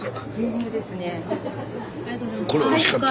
ありがとうございます。